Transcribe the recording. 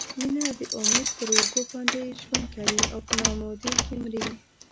مینه د امید پر اوږو باندې ژوند کوي او په نا امیدۍ کې مري.